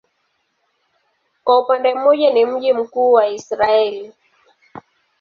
Kwa upande mmoja ni mji mkuu wa Israel.